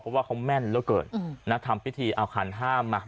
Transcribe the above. เพราะว่าเขาแม่นเหลือเกินนะทำพิธีเอาขันห้ามมา